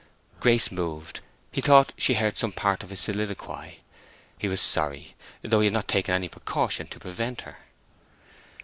Grace moved. He thought she had heard some part of his soliloquy. He was sorry—though he had not taken any precaution to prevent her.